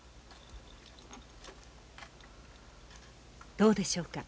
どうでしょうか？